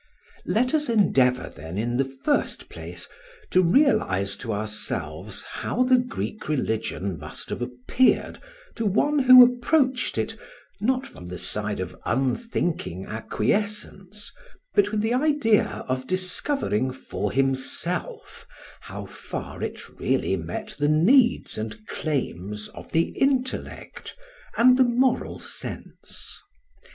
Let us endeavour, then, in the first place to realise to ourselves how the Greek religion must have appeared to one who approached it not from the side of unthinking acquiescence, but with the idea of discovering for himself how far it really met the needs and claims of the intellect and the moral sense.